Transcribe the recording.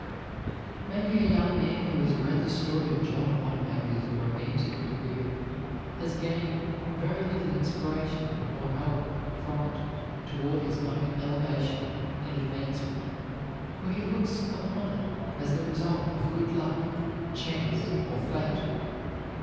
Many a young man who has read the story of John Wanamaker's romantic career has gained very little inspiration or help from it toward his own elevation and advancement, for he looks upon it as the result of good luck, chance, or fate.